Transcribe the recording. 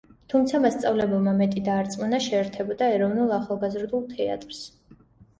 თუმცა მასწავლებელმა მეტი დაარწმუნა, შეერთებოდა ეროვნულ ახალგაზრდულ თეატრს.